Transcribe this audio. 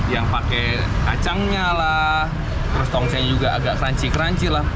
yang pakai kacangnya lah terus tongseng juga agak crunchy crunchy lah